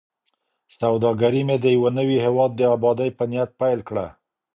سوداګري مې د یوه نوي هیواد د ابادۍ په نیت پیل کړه.